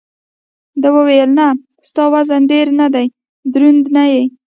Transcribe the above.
ده وویل: نه، ستا وزن ډېر نه دی، دروند نه یې.